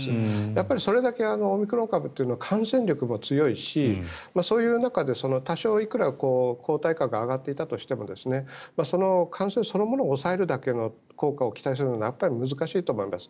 やっぱりそれだけオミクロン株というのは感染力も強いしそういう中で多少いくら抗体価が上がっていたとしても感染そのものを抑えるだけの効果を期待するのはやっぱり難しいと思います。